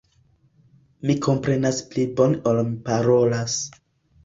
Mi komprenas pli bone ol mi parolas.